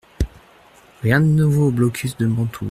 Rien de nouveau au blocus de Mantoue.